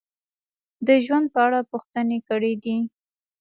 د ژوند په اړه پوښتنې کړې دي: